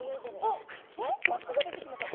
おっ輪っかが出てきました。